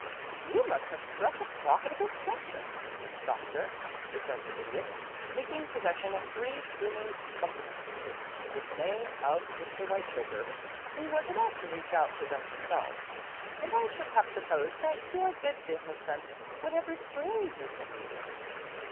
"You must have struck a profitable section, Doctor," returned the Idiot, taking possession of three steaming buckwheat cakes to the dismay of Mr. Whitechoker, who was about to reach out for them himself. "And I should have supposed that your good business sense would have restrained you from leaving."